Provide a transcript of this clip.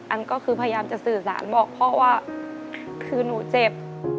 อันก็คือพยายามจะสื่อสารบอกพ่อว่าคือหนูเจ็บ